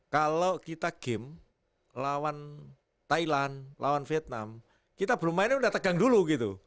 kalau kita game lawan thailand lawan vietnam kita belum mainnya udah tegang dulu gitu